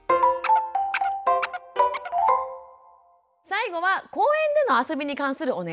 最後は公園での遊びに関するお悩みです。